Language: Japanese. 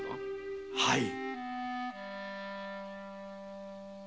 はい。